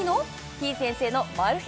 てぃ先生のマル秘